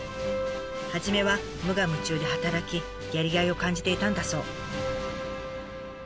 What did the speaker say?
初めは無我夢中で働きやりがいを感じていたんだそう。